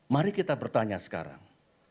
mari kita bertanya sekarang